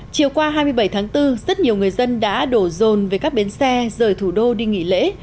chiều qua hai mươi bảy tháng bốn rất nhiều người dân đã đổ rồn về các bến xe rời thủ đô đi nghỉ lễ